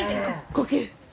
呼吸。